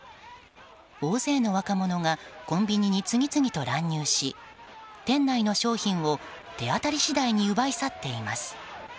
大勢の若者がコンビニに次々と乱入し店内の商品を手当たり次第に奪い去っています。